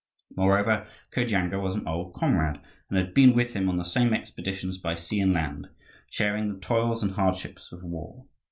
Moreover, Kirdyanga was an old comrade, and had been with him on the same expeditions by sea and land, sharing the toils and hardships of war.